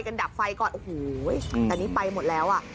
ดับไฟก่อนโอ้โหแต่นี่ไปหมดแล้วอ่ะ